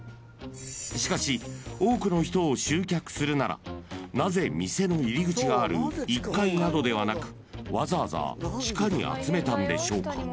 ［しかし多くの人を集客するならなぜ店の入り口がある１階などではなくわざわざ地下に集めたんでしょうか？］